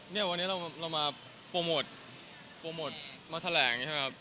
เนี่ยวันนี้เรามาโปรโมทมาแถลงใช่มั้ยครับ